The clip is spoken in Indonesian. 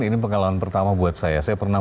ini pengalaman pertama buat saya saya pernah